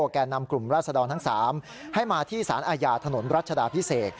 แก่นำกลุ่มราศดรทั้ง๓ให้มาที่สารอาญาถนนรัชดาพิเศษ